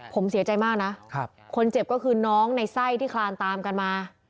ผมเสียใจมากนะคนเจ็บก็คือน้องในไส้ที่คลานตามกันมา